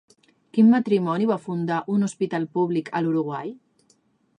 Quin matrimoni va fundar un hospital públic a l'Uruguai?